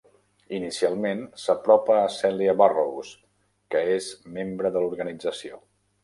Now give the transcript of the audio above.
Inicialment s'apropa a Celia Burrows, que és membre de l'organització.